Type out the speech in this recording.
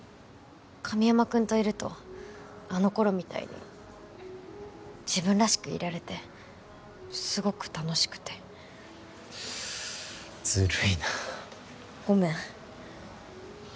神山くんといるとあの頃みたいに自分らしくいられてすごく楽しくてずるいなごめん